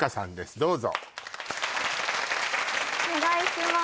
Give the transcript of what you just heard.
どうぞお願いします